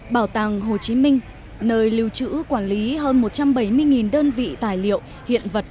bảo tàng hồ chí minh nơi lưu trữ quản lý hơn một trăm bảy mươi đơn vị tài liệu hiện vật